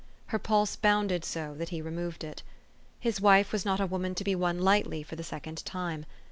Her pulse bounded so that he removed it. His wife was not a woman to be won lightly for the second time.